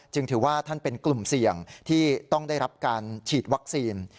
ถือว่าท่านเป็นกลุ่มเสี่ยงที่ต้องได้รับการฉีดวัคซีน